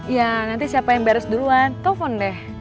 ya nanti siapa yang beres duluan telepon deh